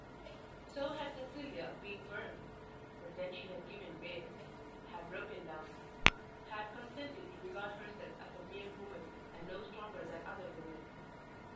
So had Cecilia been firm; but then she had given way, had broken down, had consented to regard herself as a mere woman and no stronger than other women.